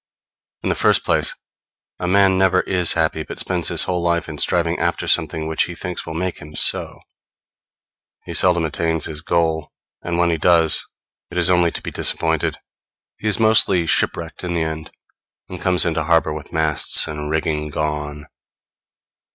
In the first place, a man never is happy, but spends his whole life in striving after something which he thinks will make him so; he seldom attains his goal, and when he does, it is only to be disappointed; he is mostly shipwrecked in the end, and comes into harbor with masts and rigging gone.